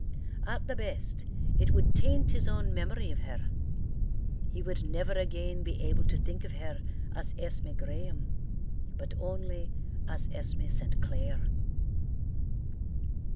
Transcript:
At the best, it would taint his own memory of her; he would never again be able to think of her as Esme Graham but only as Esme St. Clair.